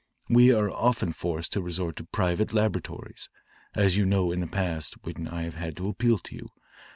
We are often forced to resort to private laboratories, as you know in the past when I have had to appeal to you.